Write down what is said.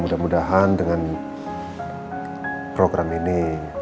mudah mudahan dengan program ini